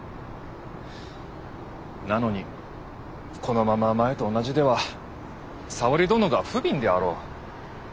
なのにこのまま前と同じでは沙織殿がふびんであろう。